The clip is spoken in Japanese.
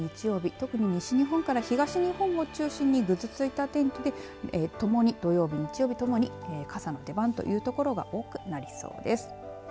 特に西日本から東日本を中心にぐずついた天気でともに土曜日、日曜日ともに傘の出番という所が多くなりそうです。